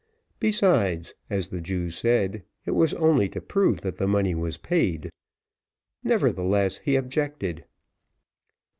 Besides, as the Jew said, it was only to prove that the money was paid; nevertheless he objected.